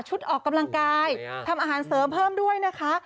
ออกกำลังกายทำอาหารเสริมเพิ่มด้วยนะคะ